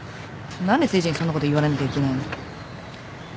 何で誠治にそんなこと言われなきゃいけないの？